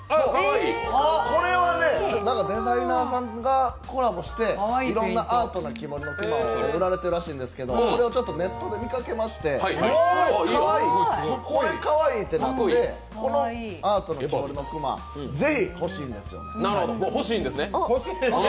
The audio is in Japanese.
これはデザイナーさんがコラボしていろいろなアートな木彫りの熊を売られてるらしいんですけど、これをちょっとネットで見かけまして、これ、かわいいってなってこのアートの木彫りの熊、欲しいんですね？